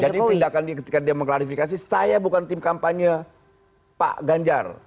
jadi tindakan ketika dia menggarisifikasi saya bukan tim kampanye pak ganjar